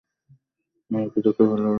আমি কি তোকে ভালোবাসিনি?